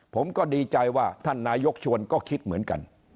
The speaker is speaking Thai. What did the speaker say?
ผมก็ดีใจว่าท่านนายกชวนก็คิดเหมือนกัน